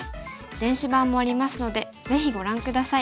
電子版もありますのでぜひご覧下さい。